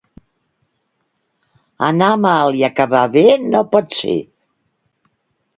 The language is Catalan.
Anar mal i acabar bé no pot ser.